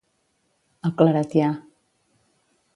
El claretià.